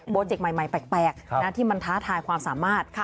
เจกต์ใหม่แปลกที่มันท้าทายความสามารถ